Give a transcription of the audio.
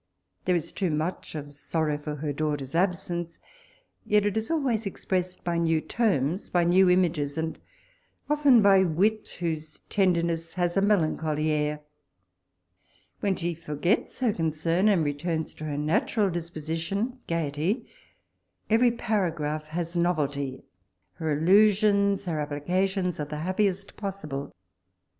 There is too much of sorrow or her daughter's absence ; yet it is always expressed liy new terms, by new images, and often by wit, whose tenderness has a melancholy air. When she forgets her concern, and returns to her natural disposition— gaiety, every para graph has novelty : her allusions, her applica tions are the happiest possible.